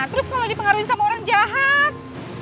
terus kalo dipengaruhin sama orang jahat